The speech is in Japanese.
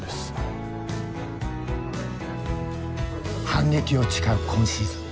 反撃を誓う今シーズン。